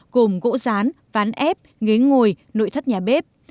gồm gỗ rán ván ép ghế ngồi nội thất nhà bếp